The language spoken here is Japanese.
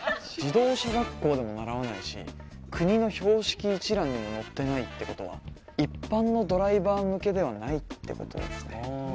自動車学校でも習わないし国の標識一覧にも載ってないってことは一般のドライバー向けではないってことですね